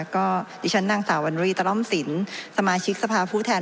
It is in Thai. ก็ที่ฉันนั่งสาววรีตะรอบสินสมาชิกสภาพภูเขาแทน